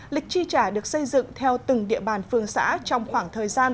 lịch tri trả được xây dựng theo từng địa bàn phương xã trong khoảng thời gian